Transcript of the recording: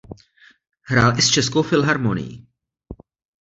Hrál i s Českou filharmonií.